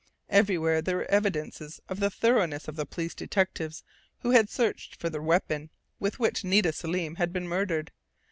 Everywhere there were evidences of the thoroughness of the police detectives who had searched for the weapon with which Nita Selim had been murdered.